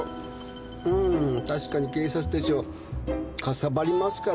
うーん確かに「警察手帳」かさばりますからね。